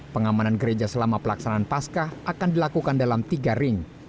pengamanan gereja selama pelaksanaan pascah akan dilakukan dalam tiga ring